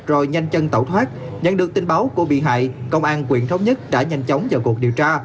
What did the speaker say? rồi nhanh chân tẩu thoát nhận được tin báo của bị hại công an quyện thống nhất đã nhanh chóng vào cuộc điều tra